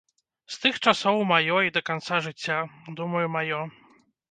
З тых часоў маё і да канца жыцця, думаю, маё.